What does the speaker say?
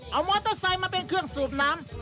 เอามอเตอร์ไซค์มาเป็นเครื่องสูบน้ำ